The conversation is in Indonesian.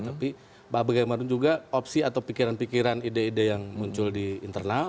tapi bagaimana juga opsi atau pikiran pikiran ide ide yang muncul di internal